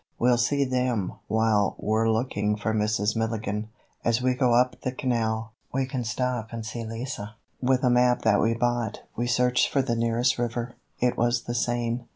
"We'll see them while we're looking for Mrs. Milligan. As we go up the canal, we can stop and see Lise." With a map that we bought, we searched for the nearest river: it was the Seine.